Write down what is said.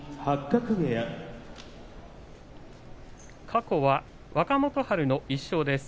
過去は若元春の１勝です。